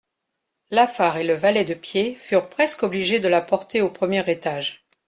Lafare et le valet de pied furent presque obligés de la porter au premier étage.